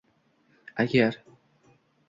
Agar